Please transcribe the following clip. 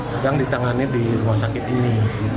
sedang ditangani di rumah sakit ini